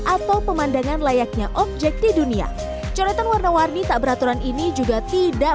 atau pemandangan layaknya objek di dunia coretan warna warni tak beraturan ini juga tidak